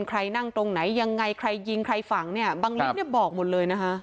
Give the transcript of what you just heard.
ใครนั่งตรงไหนยังไงใครยิงใครฝังเนี่ยบังลิฟต์เนี่ยบอกหมดเลยนะคะ